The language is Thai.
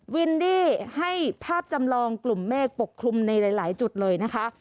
วินดี้ให้ภาพจำลองกลุ่มเมฆปกคลุมในหลายจุดเลยนะคะ